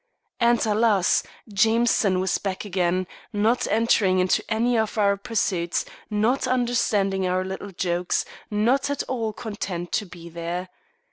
And, alas! Jameson was back again, not entering into any of our pursuits, not understanding our little jokes, not at all content to be there.